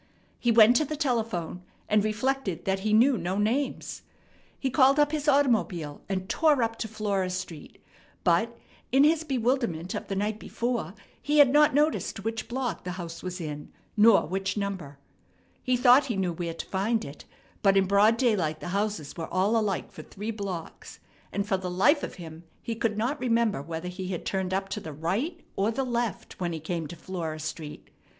He went to the telephone, and reflected that he knew no names. He called up his automobile, and tore up to Flora Street; but in his bewilderment of the night before he had not noticed which block the house was in, nor which number. He thought he knew where to find it, but in broad daylight the houses were all alike for three blocks, and for the life of him he could not remember whether he had turned up to the right or the left when he came to Flora Street.